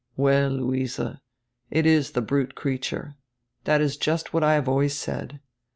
"Well, Luise, it is the brute creature. That is just what I have always said.